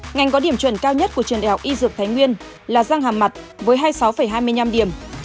ngành có điểm chuẩn cao nhất của trường đại học y dược thái nguyên là răng hàm mặt với hai mươi sáu hai mươi năm điểm